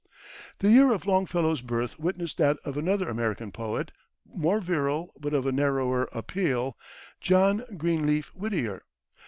The year of Longfellow's birth witnessed that of another American poet, more virile, but of a narrower appeal John Greenleaf Whittier.